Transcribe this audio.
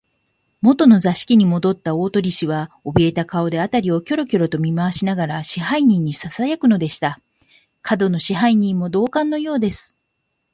もとの座敷にもどった大鳥氏は、おびえた顔で、あたりをキョロキョロと見まわしながら、支配人にささやくのでした。門野支配人も同感のようです。